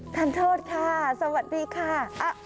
ท่านโทษค่ะสวัสดีค่ะ